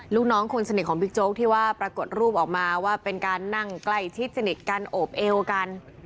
ลูกน้องคนสนิทของบิ๊กโจ๊กที่ว่าปรากฏรูปออกมาว่าเป็นการนั่งใกล้ชิดสนิทกันโอบเอวกัน